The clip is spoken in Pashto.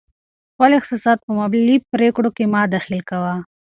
خپل احساسات په مالي پرېکړو کې مه دخیل کوه.